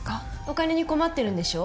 お金に困ってるんでしょう？